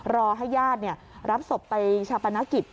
รอให้ญาติรับศพไปชาปนกิจ